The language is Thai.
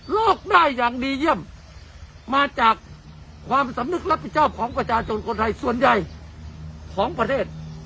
ได้อย่างดีเยี่ยมมาจากความสำนึกรับผิดชอบของประชาชนคนไทยส่วนใหญ่ของประเทศ